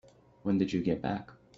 When did you get back?